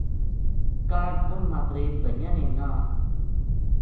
کاہڈ اُنھ ماتریر بھائیاں نے نہ